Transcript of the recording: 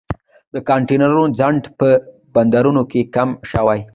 د کانټینرونو ځنډ په بندرونو کې کم شوی